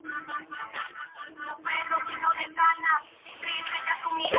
Su padre era dueño de una compañía de transporte en Paramaribo.